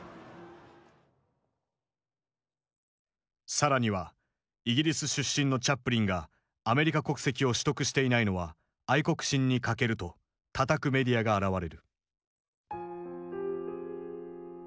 更には「イギリス出身のチャップリンがアメリカ国籍を取得していないのは愛国心に欠ける」とたたくメディアが現れる。